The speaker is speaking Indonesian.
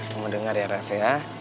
kamu denger ya refe